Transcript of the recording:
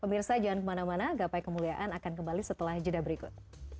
pemirsa jangan kemana mana gapai kemuliaan akan kembali setelah jeda berikut